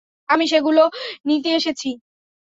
আমি সেগুলো নিতে এসেছি।